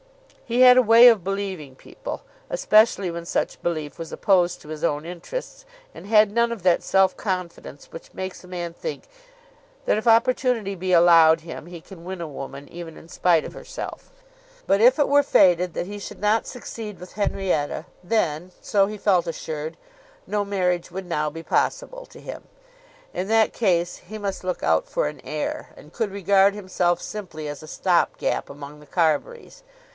He had a way of believing people, especially when such belief was opposed to his own interests, and had none of that self confidence which makes a man think that if opportunity be allowed him he can win a woman even in spite of herself. But if it were fated that he should not succeed with Henrietta, then, so he felt assured, no marriage would now be possible to him. In that case he must look out for an heir, and could regard himself simply as a stop gap among the Carburys.